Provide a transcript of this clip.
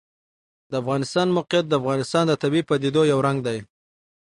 د افغانستان د موقعیت د افغانستان د طبیعي پدیدو یو رنګ دی.